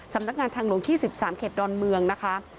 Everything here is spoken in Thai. สำนักงานทางหลวงที่๑๓เขตดอนเมืองนะคะ